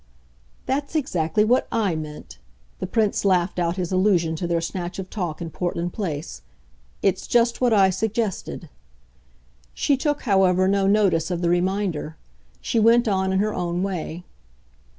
"That's exactly what I meant" the Prince laughed out this allusion to their snatch of talk in Portland Place. "It's just what I suggested." She took, however, no notice of the reminder; she went on in her own way.